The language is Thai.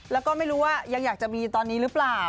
แล้วก็ไม่รู้ว่ายังอยากจะมีตอนนี้หรือเปล่า